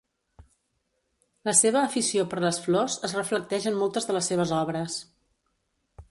La seva afició per les flors es reflecteix en moltes de les seves obres.